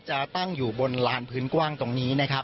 จะตั้งอยู่บนลานพื้นกว้างตรงนี้นะครับ